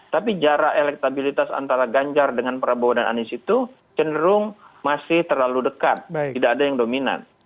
tapi jarak elektabilitas antara ganjar dengan prabowo dan anies itu cenderung masih terlalu dekat tidak ada yang dominan